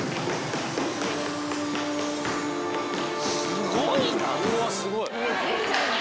すごいな！